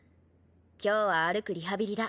今日は歩くリハビリだ。